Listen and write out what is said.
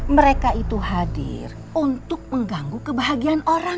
mereka itu hadir untuk mengganggu kebahagiaan orang